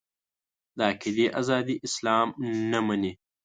د عقیدې ازادي اسلام نه مني.